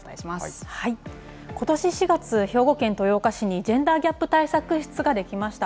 ことし４月、兵庫県豊岡市にジェンダーギャップ対策室が出来ました。